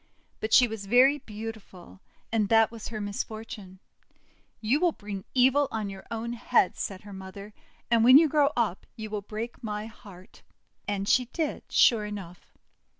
But she was very beautiful, and that was her misfortune. "You will bring evil on your own head," said her mother, ;<and when you grow up you will break my heart!' And she did, sure enough.